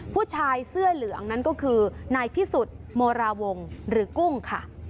ผู้ชายเสื้อเหลืองนั้นก็คือนายพิสุทธิ์โมราวงหรือกุ้งค่ะ